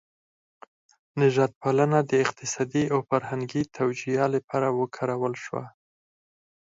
نژاد پالنه د اقتصادي او فرهنګي توجیه لپاره وکارول شوه.